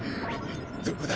どこだ？